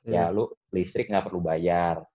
itu listrik gak perlu bayar